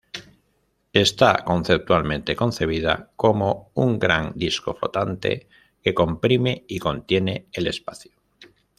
Está conceptualmente concebida como un gran disco flotante que comprime y contiene el espacio.